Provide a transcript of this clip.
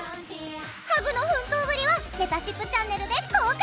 ハグの奮闘ぶりはめたしっぷチャンネルで公開！